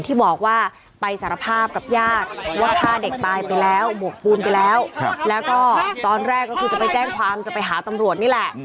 ที่บอกว่าไปสารภาพกับญาติว่าฆ่าเด็กตายไปแล้วบวกปูนไปแล้วแล้วก็ตอนแรกก็คือจะไปแจ้งความจะไปหาตำรวจนี่แหละ